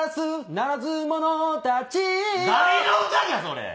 それ。